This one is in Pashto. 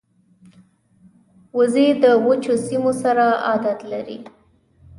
وزې د وچو سیمو سره عادت لري